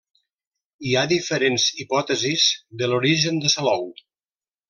Hi ha diferents hipòtesis de l'origen de Salou.